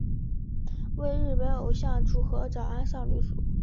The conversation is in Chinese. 为日本偶像组合早安少女组。